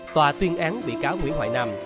tòa tuyên án bị cáo nguyễn hoài nam